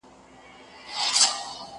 له بېکاره، خداى بېزاره.